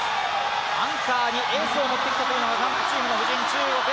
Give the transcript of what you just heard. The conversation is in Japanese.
アンカーにエースを持ってきたという韓国チームの布陣。